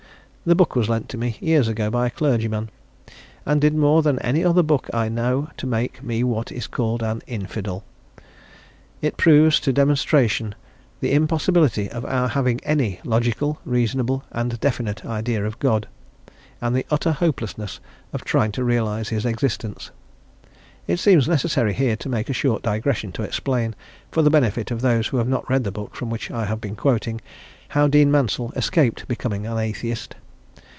The book was lent to me years ago by a clergyman, and did more than any other book I know to make me what is called an "infidel;" it proves to demonstration the impossibility of our having any logical, reasonable, and definite idea of God, and the utter hopelessness of trying to realise his existence. It seems necessary here to make a short digression to explain, for the benefit of those who have not read the book from which I have been quoting, how Dean Mansel escaped becoming an "atheist."